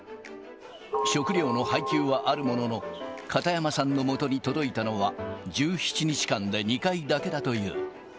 食料の配給はあるものの、片山さんのもとに届いたのは、１７日間で２回だけだという。